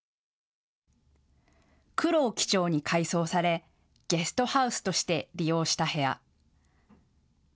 黒を基調に改装されゲストハウスとして利用した部屋。